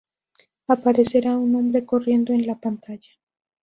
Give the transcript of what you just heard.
Aparecerá un hombre corriendo en la pantalla.